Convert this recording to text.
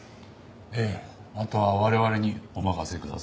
ええあとは我々にお任せください。